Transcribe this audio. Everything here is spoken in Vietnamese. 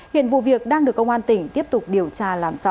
hiện vụ việc đang được công an tỉnh tiếp tục điều tra làm rõ